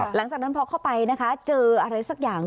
หลังจากนั้นพอเข้าไปนะคะเจออะไรสักอย่าง